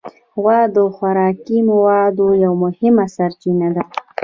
غوا د خوراکي موادو یو مهمه سرچینه ده.